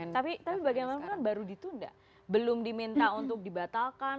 tapi bagaimanapun kan baru ditunda belum diminta untuk dibatalkan